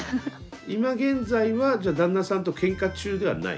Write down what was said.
今現在はじゃあ旦那さんとケンカ中ではない？